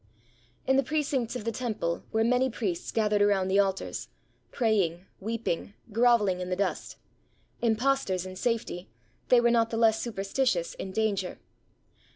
In the precincts of the temple were many priests gath ered around the altars, praying, weeping, grovehng in the dust. Impostors in safety, they were not the less superstitious in danger!